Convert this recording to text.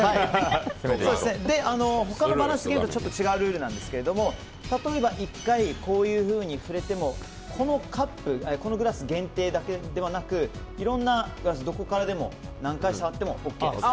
他のバランスゲームとちょっと違うルールなんですが例えば１回触れてもこのグラス限定ではなくいろんなグラスをどこからでも何回触ってもＯＫです。